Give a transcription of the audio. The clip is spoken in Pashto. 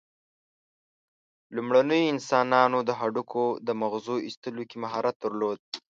لومړنیو انسانانو د هډوکو په مغزو ایستلو کې مهارت درلود.